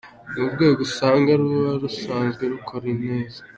Ni urwego usanga ruba rusanzwe rukora neza.